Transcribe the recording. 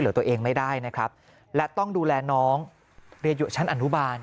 ตัวเองไม่ได้นะครับและต้องดูแลน้องเรียนอยู่ชั้นอนุบาล